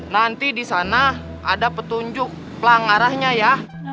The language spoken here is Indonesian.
nanti di sana ada petunjuk pelang arahnya ya